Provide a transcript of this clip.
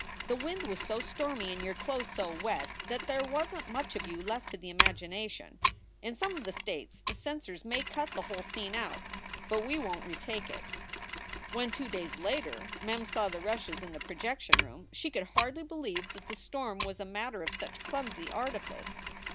The wind was so stormy and your clothes so wet that there wasn t much of you left to the imagination. In some of the states the censors may cut the whole scene out. But we won t retake it. " When, two days later, Mem saw the rushes in the projec tion room, she could hardly believe that the storm was a mat ter of such clumsy artifice.